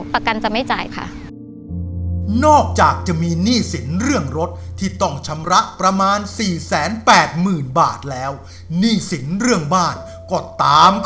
ประกันจะไม่จ่ายค่ะนอกจากจะมีหนี้สินเรื่องรถ